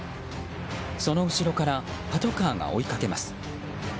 その後ろからパトカーが追いかけます。